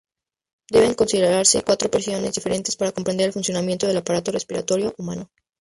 Deben considerarse cuatro presiones diferentes para comprender el funcionamiento del aparato respiratorio humano.